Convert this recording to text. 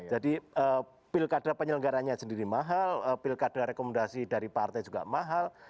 jadi pilkara penyelenggaranya sendiri mahal pilkara rekomendasi dari partai juga mahal